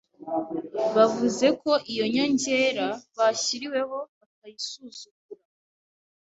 bavuze ko iyo nyongera bashyiriweho batayisuzugura,